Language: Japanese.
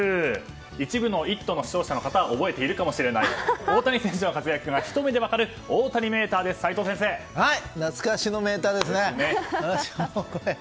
一部の「イット！」の視聴者の方は覚えているかもしれない大谷選手の活躍がひと目で分かる懐かしのメーターですね。